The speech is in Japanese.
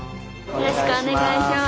よろしくお願いします。